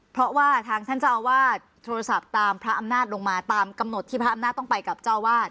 เพราะว่าทางท่านเจ้าอาวาสโทรศัพท์ตามพระอำนาจลงมาตามกำหนดที่พระอำนาจต้องไปกับเจ้าวาด